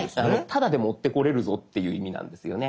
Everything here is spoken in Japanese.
「タダで持ってこれるぞ」っていう意味なんですよね。